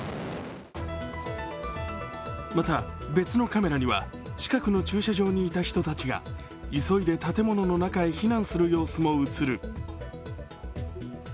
また別のカメラには近くの駐車場にいた人たちが急いで建物の中へ避難する様子も映る。